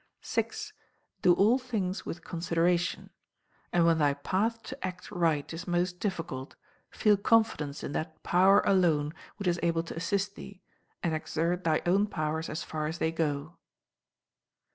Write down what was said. vi. Do all things with consideration; and when thy path to act right is most difficult, feel confidence in that Power alone which is able to assist thee, and exert thy own powers as far as they go.